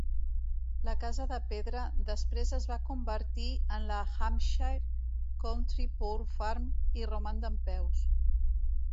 La casa de pedra després es va convertir en la Hampshire County Poor Farm i roman dempeus.